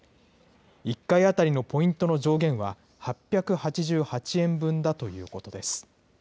１回当たりのポイントの上限は、８８８円分だということです。